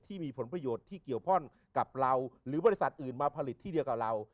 ที่มีผลประโยชน์ที่เกี่ยวข้องกับเราหรือบริษัทอื่นมาผลิตที่เดียวกับเรา